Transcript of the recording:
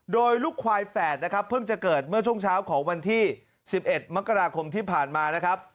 โดยลูกควายแฝดนะครับเพิ่งจะเกิดเมื่อช่วงเช้าของวันที่๑๑มกราคมที่ผ่านมานะครับ